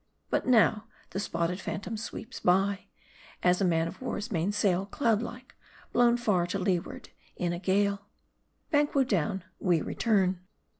But now, the spotted phantom sweeps by ; as a man of war's main sail, cloud like, blown far to leeward in a gale. Banquo down, we return.